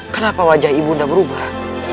kenapa wajah ibu unda berubah